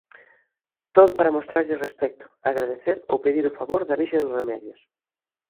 Todo para mostrarlle respecto, agradecer ou pedir o favor da Virxe dos Remedios.